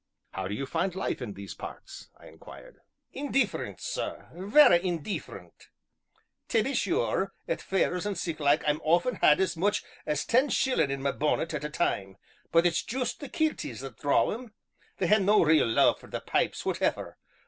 "How do you find life in these parts?" I inquired. "Indeefferent, sir vera indeefferent! Tae be sure, at fairs an' sic like I've often had as much as ten shillin' in 'ma bonnet at a time; but it's juist the kilties that draw em; they hae no real love for the pipes, whateffer!